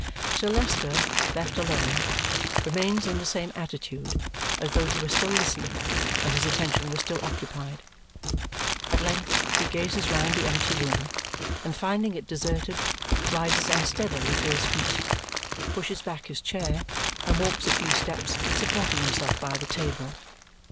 Sir Leicester, left alone, remains in the same attitude, as though he were still listening and his attention were still occupied. At length he gazes round the empty room, and finding it deserted, rises unsteadily to his feet, pushes back his chair, and walks a few steps, supporting himself by the table.